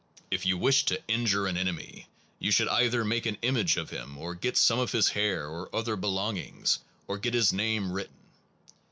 If you wished to injure an enemy, you should either make an image of him, or get some of his hair or other belongings, or get his name written.